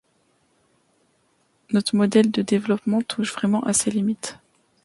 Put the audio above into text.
Notre modèle de développement touche vraiment à ses limites.